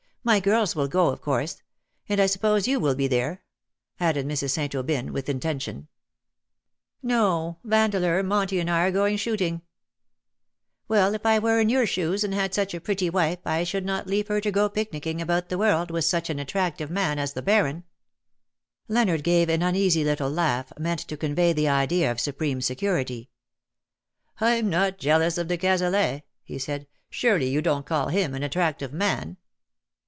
My girls will go, of course. And I suppose you will be there," added Mrs. St. Aubyn, ■with intention. 184 " THOU SHOULDST COME LIKE A FURY '•'No^ Vandeleur, Monty, and I are going shoot ing/' " Well, if I were in your shoes and had such a pretty wife I should not leave her to go picnicking about the world with such an attractive man as the Baron/' Leonard gave an uneasy little laugh, meant tO' convey the idea of supreme security. " Vm not jealous of de Cazelet/'' he said. " Sureljr you don't call him an attractive man."